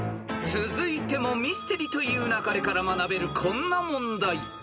［続いても『ミステリと言う勿れ』から学べるこんな問題］